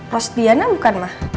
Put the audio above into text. rosdiana bukan mah